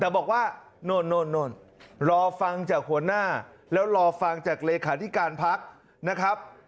แต่บอกว่าโน่นรอฟังจากหัวหน้าแล้วรอฟังจากเลขาธิการพักนะครับ